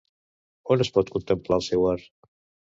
On es pot contemplar el seu art?